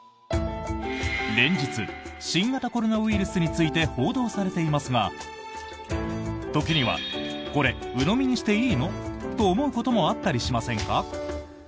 連日新型コロナウイルスについて報道されていますが時にはこれ、うのみにしていいの？と思うこともあったりしませんか？